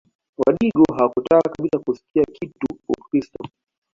Wadigo hawakutaka kabisa kusikia kitu Ukristo